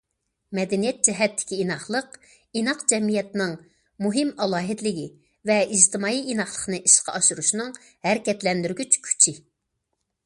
مەدەنىيەت جەھەتتىكى ئىناقلىق ئىناق جەمئىيەتنىڭ مۇھىم ئالاھىدىلىكى ۋە ئىجتىمائىي ئىناقلىقنى ئىشقا ئاشۇرۇشنىڭ ھەرىكەتلەندۈرگۈچ كۈچى.